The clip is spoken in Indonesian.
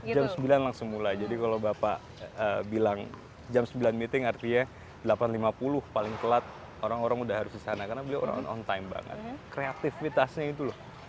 jam sembilan langsung mulai jadi kalau bapak bilang jam sembilan meeting artinya delapan lima puluh paling telat orang orang udah harus di sana karena beliau orang on on time banget kreatifitasnya itu loh